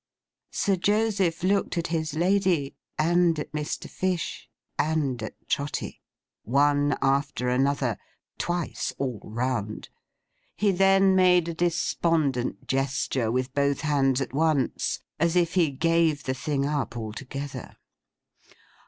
Sir Joseph looked at his lady, and at Mr. Fish, and at Trotty, one after another, twice all round. He then made a despondent gesture with both hands at once, as if he gave the thing up altogether.